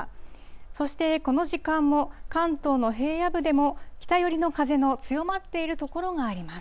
そしてこの時間も関東の平野部でも北寄りの風の強まっている所があります。